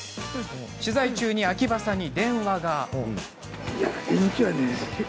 取材中に秋葉さんに電話が。